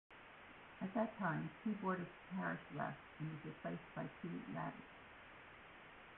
At that time, keyboardist Parrish left and was replaced by T Lavitz.